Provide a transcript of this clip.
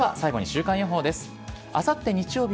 最後に週間予報です。